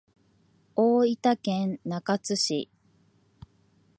大分県中津市